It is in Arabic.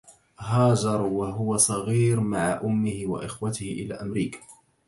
هاجر وهو صغير مع أمه وإخوته إلى أمريكا